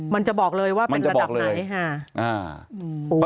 มันจะบอกเลยว่าเป็นระดับไหนค่ะ